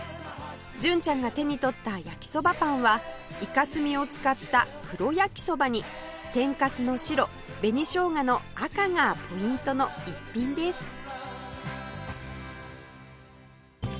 純ちゃんが手に取った焼きそばパンはイカ墨を使った黒焼きそばに天かすの白紅ショウガの赤がポイントの逸品です